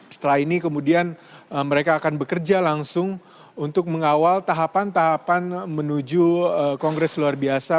setelah ini kemudian mereka akan bekerja langsung untuk mengawal tahapan tahapan menuju kongres luar biasa